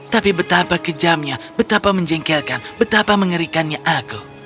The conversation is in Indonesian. tapi betapa kejamnya betapa menjengkelkan betapa mengerikannya aku